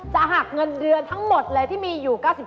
หักเงินเดือนทั้งหมดเลยที่มีอยู่๙๐